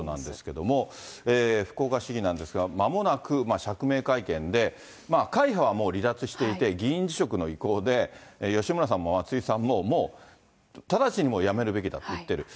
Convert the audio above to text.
福岡市議なんですが、まもなく釈明会見で、会派はもう離脱していて、議員辞職の意向で、吉村さんも松井さんも、もう、直ちにやめるべきだって言ってる。